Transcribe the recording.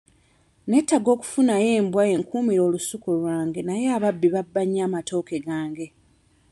Neetaaga okufunayo embwa enkuumire olusuku lwange naye ababbi babba nnyo amatooke gange.